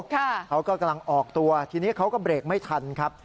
เขาก็กำลังออกตัวทีนี้เขาก็เบรกไม่ทันครับ